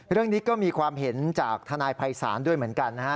เรื่องนี้ก็มีความเห็นจากทนายภัยศาลด้วยเหมือนกันนะฮะ